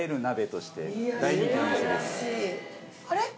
あれ？